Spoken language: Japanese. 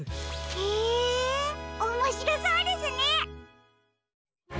へえおもしろそうですね！